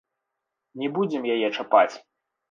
Не будзем яе чапаць.